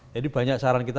jadi banyak saran kita